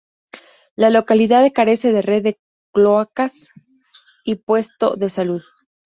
La localidad carece de red de cloacas y puesto de salud.